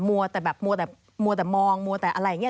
มัวแต่แบบมัวแต่มัวแต่มองมัวแต่อะไรอย่างนี้